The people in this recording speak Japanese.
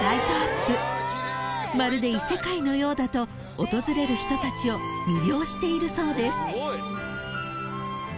［まるで異世界のようだと訪れる人たちを魅了しているそうです］